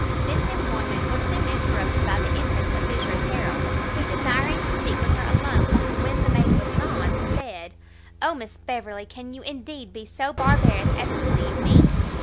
This employment was soon interrupted by the entrance of Mrs Harrel, who desiring to speak with her alone, when the maid was gone, said "O Miss Beverley, can you indeed be so barbarous as to leave me?"